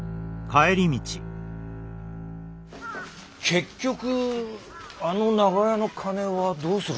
結局あの長屋の金はどうするんで？